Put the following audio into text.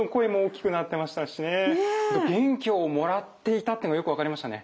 元気をもらっていたっていうのよく分かりましたね。